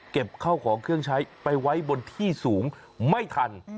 เข้าของเครื่องใช้ไปไว้บนที่สูงไม่ทัน